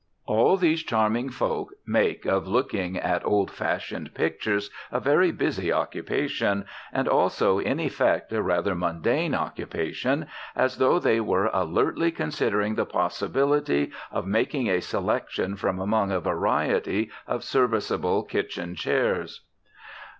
All these charming folk make of looking at old fashioned pictures a very busy occupation, and also in effect a rather mundane occupation, as though they were alertly considering the possibility of making a selection from among a variety of serviceable kitchen chairs.